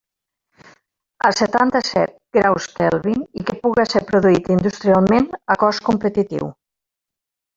A setanta-set graus Kelvin i que puga ser produït industrialment a cost competitiu.